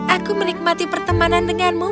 aku menikmati pertemanan denganmu